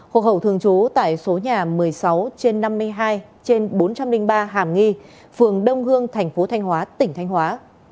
hộ khẩu thường trú tại số nhà một mươi sáu trên năm mươi hai trên bốn trăm linh ba hàm nghi phường đông hương thành phố thanh hóa tỉnh thanh hóa